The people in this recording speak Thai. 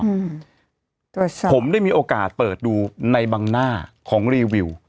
อืมตรวจสอบผมได้มีโอกาสเปิดดูในบางหน้าของรีวิว